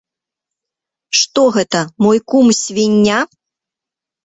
Што гэта, мой кум свіння?